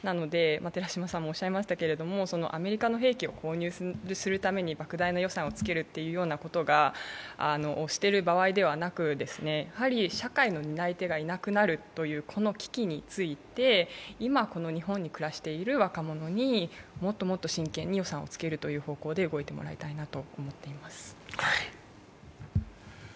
なので、アメリカの兵器を購入するためにばく大な予算をつけるということをしている場合ではなくやはり社会の担い手がいなくなるという、この危機について、今、この日本に暮らしている若者にもっともっと真剣に予算をつけるという方向で動いてもらいたいなと思っています。